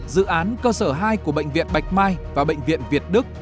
dự án cơ sở hai của bệnh viện bạch mai và bệnh viện việt đức